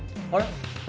あれ？